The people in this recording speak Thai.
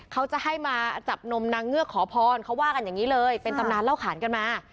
เขาจะให้มาจับนมนางเงือกขอพรเขาว่ากันอย่างนี้เลยเป็นตำนานเล่าขานกันมา